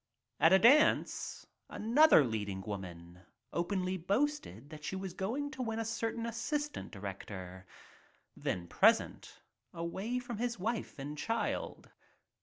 At a dance another leading woman openly boasted that she was going to win a certain assistant director, then present, away from his wife and child.